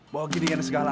mau gini gini segala